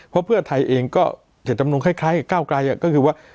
เพราะเพื่อไทยเองก็เจตจำนงคล้ายกับก้าวไกลก็คือว่า